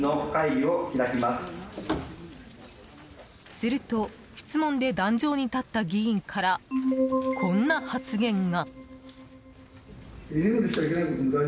すると質問で壇上に立った議員から、こんな発言が。